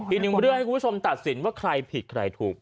อีกหนึ่งเรื่องให้คุณผู้ชมตัดสินว่าใครผิดใครถูก